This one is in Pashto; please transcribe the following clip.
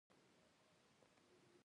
زما ټولې هیلې پوره شوې.